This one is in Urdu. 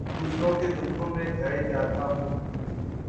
دوسروں کے دکھوں میں گھر جاتا ہوں